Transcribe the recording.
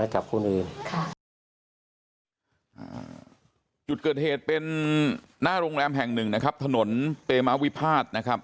จุดเกิดเหตุเป็นหน้าโรงแรมแห่งหนึ่งนะครับถนนเตมะวิพาทนะครับ